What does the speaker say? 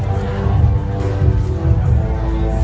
สโลแมคริปราบาล